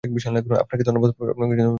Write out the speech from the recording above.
আপনাকে ধন্যবাদ, প্রফেসর!